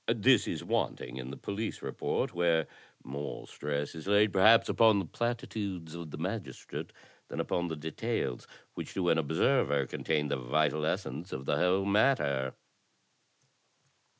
"This is wanting in the police report, where more stress is laid perhaps upon the platitudes of the magistrate than upon the details, which to an observer contain the vital essence of the whole matter."